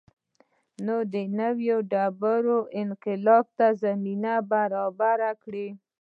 د نوې ډبرې انقلاب ته یې زمینه برابره کړه.